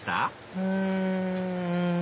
うん。